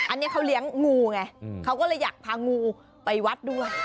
อันนี้เขาเลี้ยงงูไงเขาก็เลยอยากพางูไปวัดด้วย